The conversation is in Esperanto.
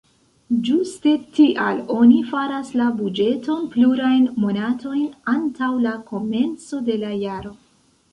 Ĝuste tial oni faras la buĝeton plurajn monatojn antaŭ la komenco de la jaro.